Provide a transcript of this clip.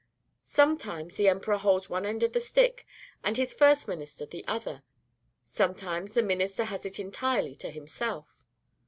Sometimes the emperor holds one end of the stick, and his first minister the other; sometimes the minister has it entirely to himself.